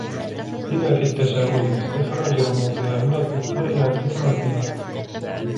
لِمَا فِي التَّشَاغُلِ بِاسْتِخْرَاجِ رُمُوزِهَا مِنْ الْإِبْطَاءِ عَنْ إدْرَاكِهَا